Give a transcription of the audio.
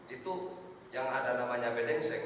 itu yang ada namanya bedengsek